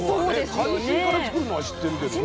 海水からつくるのは知ってるけどね。